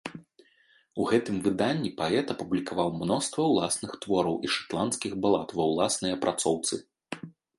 У гэтым выданні паэт апублікаваў мноства ўласных твораў і шатландскіх балад ва ўласнай апрацоўцы.